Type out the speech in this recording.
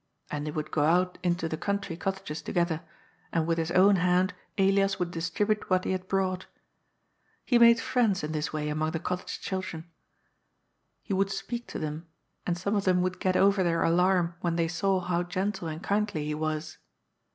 And they would go out into the country cottages together, and with his own hand Ellas would distribute what he had brought. He made friends in this way among the cottage children. He would speak to them, and some of them would get oyer their alarm when they saw how gentle and kindly he was.